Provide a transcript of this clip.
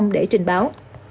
để trình báo